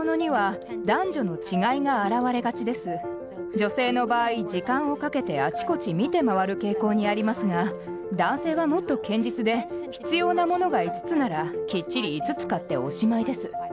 女性の場合時間をかけてあちこち見て回る傾向にありますが男性はもっと堅実で必要なものが５つならきっちり５つ買っておしまいです。